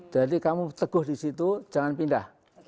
jadi kamu teguh di situ jangan pindah